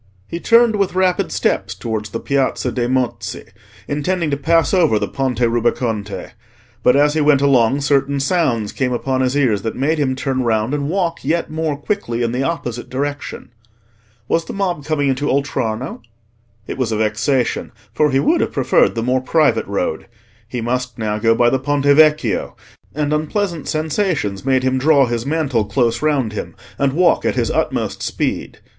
He turned with rapid steps towards the Piazza dei Mozzi, intending to pass over the Ponte Rubaconte; but as he went along certain sounds came upon his ears that made him turn round and walk yet more quickly in the opposite direction. Was the mob coming into Oltrarno? It was a vexation, for he would have preferred the more private road. He must now go by the Ponte Vecchio; and unpleasant sensations made him draw his mantle close round him, and walk at his utmost speed.